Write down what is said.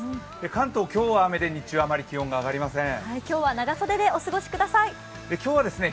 関東、今日は雨で日中は余り気温が上がりません。